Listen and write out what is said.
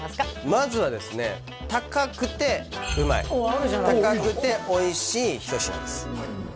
まずはですね高くてうまい高くておいしい一品です